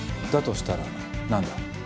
だとしたら何だ？